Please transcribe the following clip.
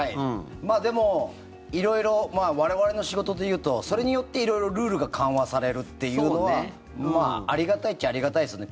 でも、色々我々の仕事でいうとそれによって色々ルールが緩和されるっていうのはまあ、ありがたいっちゃありがたいですよね。